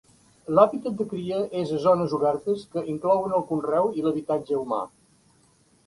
L'hàbitat de cria és a zones obertes que inclouen el conreu i l'habitatge humà.